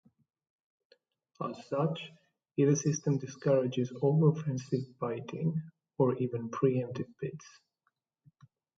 As such, either system discourages over-offensive bidding or even pre-emptive bids.